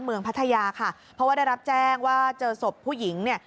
พัทยาค่ะเพราะว่าได้รับแจ้งว่าเจอศพผู้หญิงเนี่ย